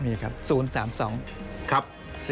มีครับ๐๓๒๔๘๙๐๔๖